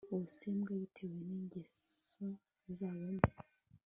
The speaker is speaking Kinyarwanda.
ubusembwa bitewe ningeso zabo mbi